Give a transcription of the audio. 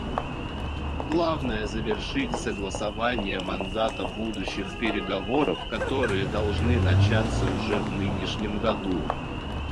Главное — завершить согласование мандата будущих переговоров, которые должны начаться уже в нынешнем году.